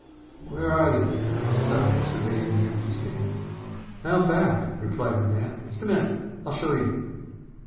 "Where are they?" asked Sutter, surveying the empty stand. "Out back," replied the man. "Just a minute and I'll show you."